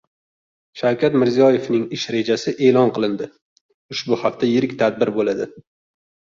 Shavkat Mirziyoyevning ish rejasi e’lon qilindi. Ushbu hafta yirik tadbir bo‘ladi